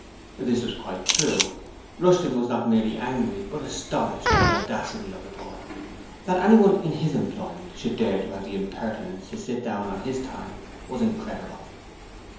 This was quite true. Rushton was not merely angry, but astonished at the audacity of the boy. That anyone in his employment should dare to have the impertinence to sit down in his time was incredible.